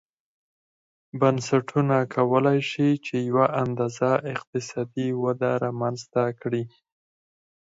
بنسټونه کولای شي چې یوه اندازه اقتصادي وده رامنځته کړي.